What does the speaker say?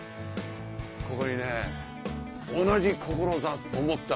ここにね同じ志を持った。